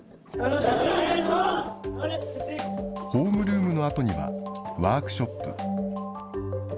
ホームルームのあとにはワークショップ。